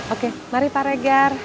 oke mari pak regar